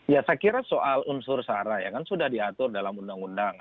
ya saya kira soal unsur sara ya kan sudah diatur dalam undang undang